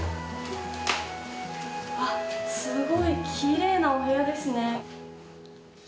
あっ、すごいきれいなお部屋ですね。